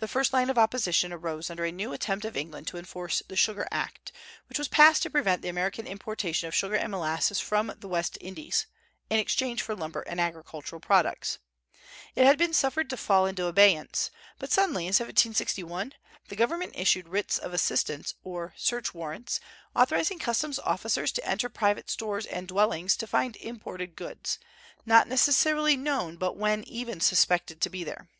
The first line of opposition arose under a new attempt of England to enforce the Sugar Act, which was passed to prevent the American importation of sugar and molasses from the West Indies, in exchange for lumber and agricultural products. It had been suffered to fall into abeyance; but suddenly in 1761 the government issued Writs of Assistance or search warrants, authorizing customs officers to enter private stores and dwellings to find imported goods, not necessarily known but when even suspected to be there.